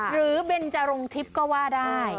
เบนจรงทิพย์ก็ว่าได้